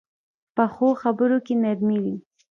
پخو خبرو کې نرمي وي